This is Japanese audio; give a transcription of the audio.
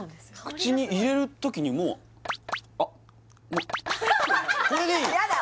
口に入れる時にもうあっもこれでいい嫌だ